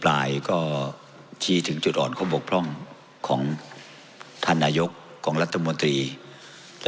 เพราะมันก็มีเท่านี้นะเพราะมันก็มีเท่านี้นะ